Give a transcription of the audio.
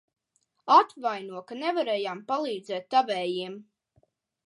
Atvaino, ka nevarējām palīdzēt tavējiem.